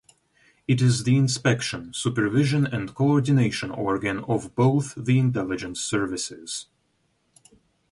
It is the inspection, supervision and coordination organ of both the intelligence services.